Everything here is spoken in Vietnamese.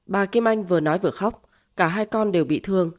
bà kim anh vừa nói vừa khóc cả hai con đều bị thương